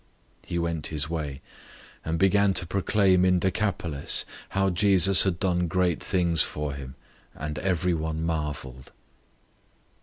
005:020 He went his way, and began to proclaim in Decapolis how Jesus had done great things for him, and everyone marveled.